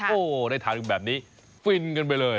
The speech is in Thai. โอ้โหได้ทานแบบนี้ฟินกันไปเลย